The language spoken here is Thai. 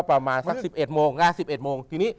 ประมาณสัก๑๑โมง